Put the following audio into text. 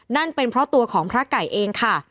นั่นเป็นเพราะตัวของพระไก่เองค่ะ